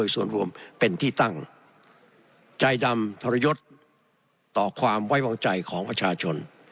ส่วนรวมเป็นที่ตั้งใจดำทรยศต่อความไว้วางใจของประชาชน